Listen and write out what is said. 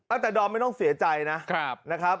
เอ้อแต่ดอลไม่ต้องเสียใจนะนะครับ